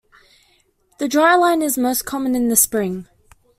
The dry line is most common in the spring.